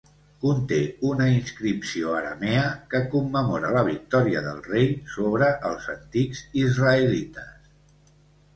Conté una inscripció aramea que commemora la victòria del rei sobre els antics israelites.